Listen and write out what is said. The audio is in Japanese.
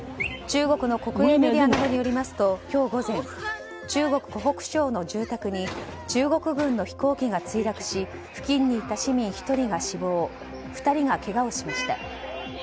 中国の国営メディアなどによりますと今日午前、中国・湖北省の住宅に中国軍の飛行機が墜落し付近にいた市民１人が死亡２人がけがをしました。